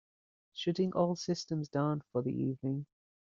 Shutting all systems down for the evening.